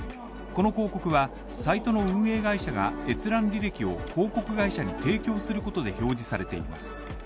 この広告は、サイトの運営会社が閲覧履歴を広告会社に提供することで表示されています。